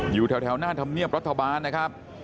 อยู่แถวหน้าธรรมเนียบรัฐบาลนะครับ